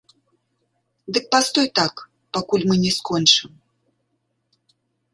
Дык пастой так, пакуль мы не скончым.